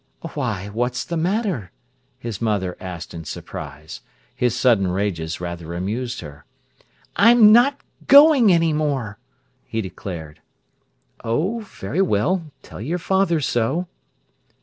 "Why, what's the matter?" his mother asked in surprise. His sudden rages rather amused her. "I'm not going any more," he declared. "Oh, very well, tell your father so."